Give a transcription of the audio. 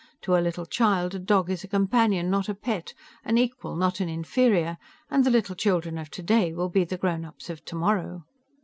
To a little child, a dog is a companion, not a pet; an equal, not an inferior and the little children of today will be the grown ups of tomorrow.